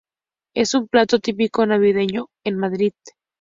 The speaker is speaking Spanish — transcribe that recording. Es un plato típico navideño en Madrid.